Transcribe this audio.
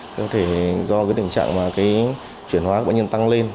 có thể do tình trạng chuyển hóa của bệnh nhân tăng lên